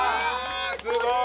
すごーい！